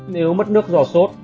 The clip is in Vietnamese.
nếu mất nước do sốt